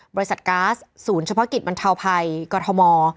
บริษัทก๊าซศูนย์เฉพาะกิจบรรทาวไพกรทม